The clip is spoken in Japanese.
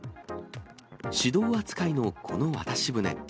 市道扱いのこの渡し船。